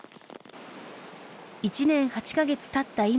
１年８か月たった